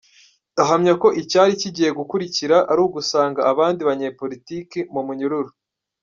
Ahamya ko icyari kigiye gukurikira ari ugusanga abandi banyepolitike mu munyururu.